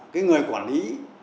cái người quản lý